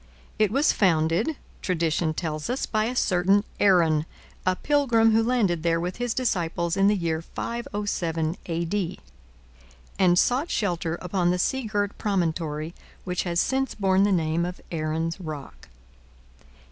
It was founded, tradition tells us, by a certain Aaron, a pilgrim who landed there with his disciples in the year 507 A.D., and sought shelter upon the sea girt promontory which has since borne the name of Aaron's Rock.